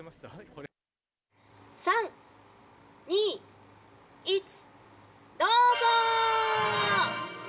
３、２、１、どうぞ。